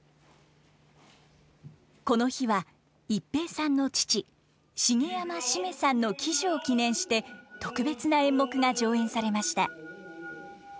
この日は逸平さんの父茂山七五三さんの喜寿を記念して特別な演目が上演されました。